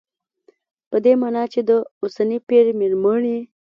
په دې مانا چې د اوسني پېر مېرمنې